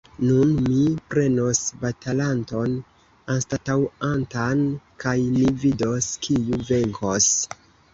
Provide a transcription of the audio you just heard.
Nun mi prenos batalanton anstataŭantan, kaj ni vidos, kiu venkos!